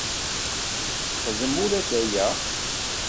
Tesfeqdem ula d aya?